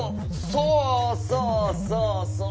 そうそうそうそう。